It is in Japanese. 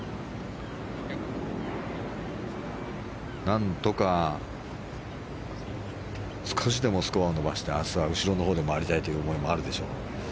何とか少しでもスコアを伸ばして明日は後ろのほうで回りたいという思いもあるでしょう。